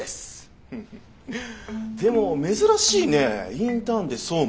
でも珍しいねインターンで総務？